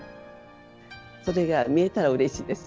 それが見えたらうれしいです。